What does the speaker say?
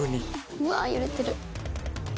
うわ揺れてる。